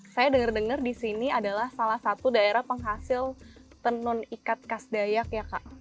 saya dengar dengar di sini adalah salah satu daerah penghasil tenun ikat kas dayak ya kak